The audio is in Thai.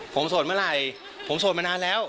ผมโสดเมื่อไหร่ผมโสดมานานแล้ว